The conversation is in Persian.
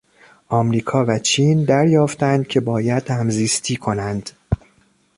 امریکا و چین دریافتند که باید همزیستی کنند.